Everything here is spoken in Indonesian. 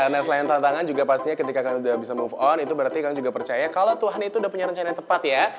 nah selain tantangan juga pastinya ketika kamu sudah bisa move on itu berarti kang juga percaya kalau tuhan itu udah punya rencana yang tepat ya